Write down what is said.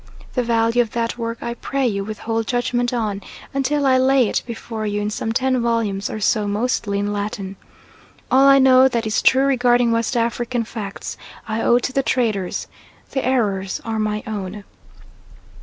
The value of that work I pray you withhold judgment on, until I lay it before you in some ten volumes or so mostly in Latin. All I know that is true regarding West African facts, I owe to the traders; the errors are my own.